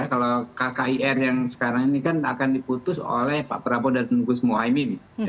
kalau kkir yang sekarang ini kan akan diputus oleh pak prabowo dan gus muhaymin